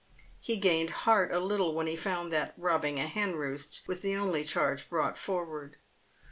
He gained heart a little when he found that robbing a henroost was the only charge brought forward.